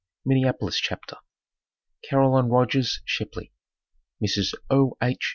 MINNEAPOLIS CHAPTER CAROLINE ROGERS SHEPLEY (Mrs. O. H.